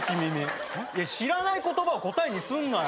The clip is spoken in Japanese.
知らない言葉を答えにすんなよ。